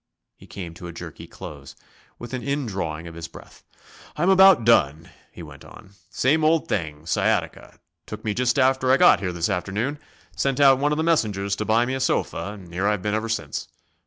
He came to a jerky close, with an indrawing of his breath. "I'm about done," he went on. "Same old thing sciatica. Took me just after I got here this afternoon; sent out one of the messengers to buy me a sofa, and here I've been ever since.